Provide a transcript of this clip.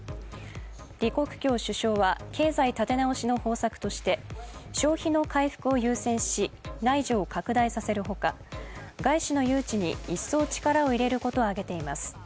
李克強首相は経済立て直しの方策として消費の回復を優先し、内需を拡大させるほか、外資の誘致にいっそう力を入れることを挙げています。